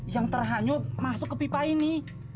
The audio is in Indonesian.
yang terhanyut masuk ke pipa ini